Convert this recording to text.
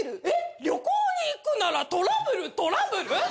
えっ旅行に行くならトラブルトラブル？